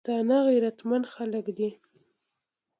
پښتانه غیرتمن خلک دي.